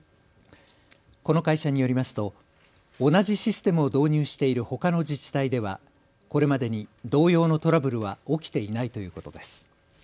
この会社によりますと同じシステムを導入しているほかの自治体ではこれまでに同様のトラブルは起きていないということです。